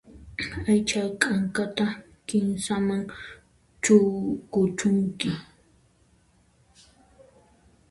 Aycha kankata kinsaman kuchunki.